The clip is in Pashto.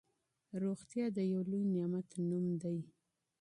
روغتيا د لوی نعمت نوم دی.